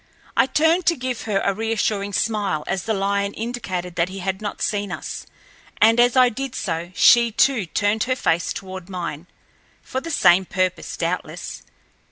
I turned to give her a reassuring smile as the lion indicated that he had not seen us, and as I did so she, too, turned her face toward mine, for the same purpose, doubtless.